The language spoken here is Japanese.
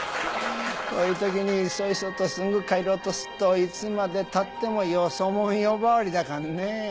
こういう時にいそいそとすぐ帰ろうとすっといつまで経ってもよそ者呼ばわりだかんね。